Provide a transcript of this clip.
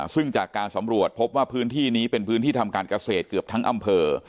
ซึ่งจากการสำรวจพบว่าพื้นที่นี้เป็นพื้นที่ทำการเกษตรเกือบทั้งอำเภอ